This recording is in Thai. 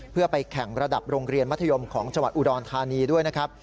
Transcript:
เพื่อไปแข่งระดับโรงเรียนมัธยมของจังหวัดอุดรธานีด้วยนะครับ